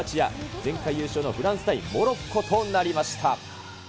前回優勝のフランス対モロッコとなりました。